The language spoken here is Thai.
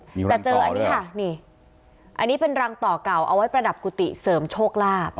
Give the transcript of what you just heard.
แต่เจออันนี้ค่ะนี่อันนี้เป็นรังต่อเก่าเอาไว้ประดับกุฏิเสริมโชคลาภ